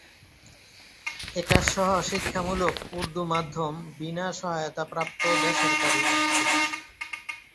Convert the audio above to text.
এটা সহ-শিক্ষামূলক উর্দু-মাধ্যম বিনা সহায়তা প্রাপ্ত বেসরকারি স্কুল।